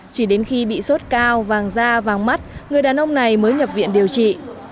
chỉ đến khi bị sốt cao vàng da vàng mắt người đàn ông này mới nhập viện điều trị